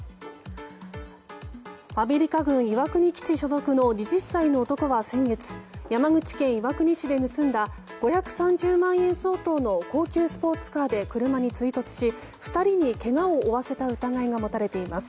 アメリカ軍岩国基地所属の２０歳の男は先月山口県岩国市で盗んだ５３０万円相当の高級スポーツカーで車に追突し２人にけがを負わせた疑いが持たれています。